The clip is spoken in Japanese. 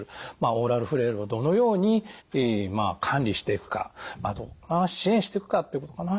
オーラルフレイルをどのように管理していくかどんな支援していくかってことかな。